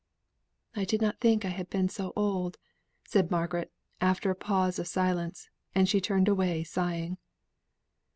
"I did not think I had been so old," said Margaret after a pause of silence; and she turned away sighing.